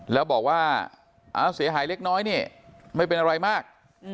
แล้วบอกว่าเสียหายเล็กน้อยนี่ไม่เป็นอะไรมาก